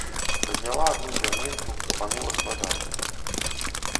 Падняла адну дзярнінку, капанула складанчыкам.